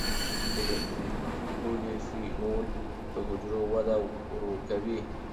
پولیفینول د حجرو وده ورو کوي.